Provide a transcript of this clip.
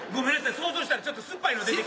想像したらちょっと酸っぱいの出てきて。